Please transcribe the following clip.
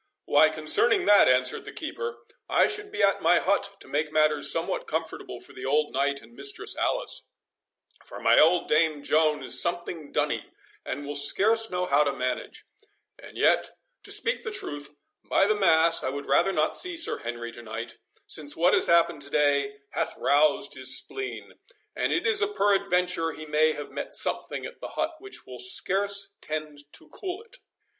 "Why, concerning that," answered the keeper, "I should be at my hut to make matters somewhat conformable for the old knight and Mistress Alice, for my old dame Joan is something dunny, and will scarce know how to manage—and yet,—to speak the truth, by the mass I would rather not see Sir Henry to night, since what has happened to day hath roused his spleen, and it is a peradventure he may have met something at the hut which will scarce tend to cool it."